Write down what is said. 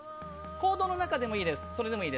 コードの中でもいいです。